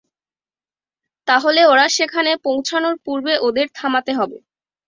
তাহলে ওরা সেখানে পৌঁছানোর পূর্বে ওদের থামাতে হবে।